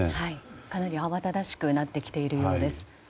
かなり慌ただしくなってきているようです。